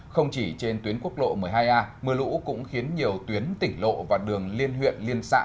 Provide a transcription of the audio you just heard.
không chỉ trên tuyến quốc lộ một mươi hai a mưa lũ cũng khiến nhiều tuyến tỉnh lộ và đường liên huyện liên xã